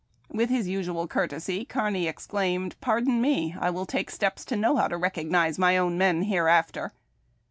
With his usual courtesy, Kearny exclaimed, 'Pardon me ; I will take steps to know how to recognize my own men hereafter.'